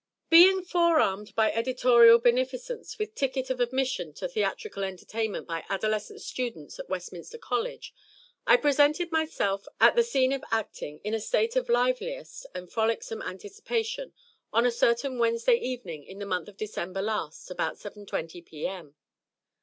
_ Being forearmed by editorial beneficence with ticket of admission to theatrical entertainment by adolescent students at Westminster College, I presented myself at the scene of acting in a state of liveliest and frolicsome anticipation on a certain Wednesday evening in the month of December last, about 7.20 P.M.